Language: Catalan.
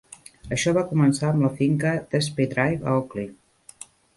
Això va començar amb la finca d'Spey Drive, a Auckley.